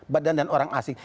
badan dan orang asing